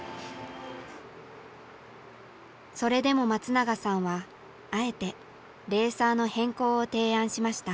それでも松永さんはあえてレーサーの変更を提案しました。